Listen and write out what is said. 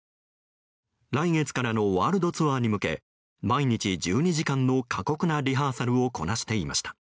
来月からのワールドツアーに向け毎日１２時間の過酷なリハーサルをこなしていました。